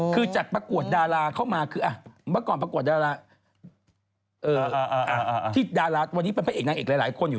เขาก็เป็นเอเจสซี่ใหญ่อยู่